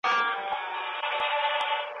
د تولید کمیت د خلکو اړتیاوې پوره کوي.